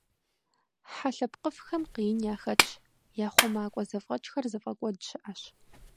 Хьэ лъэпкъыфӀхэм къиин яхэтщ, я хъумакӀуэ зэфӀэкӀхэр зыфӀэкӀуэд щыӀэщ.